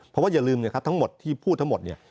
เพราะว่าอย่าลืมนะครับทั้งหมดที่พูดทั้งหมดเนี่ย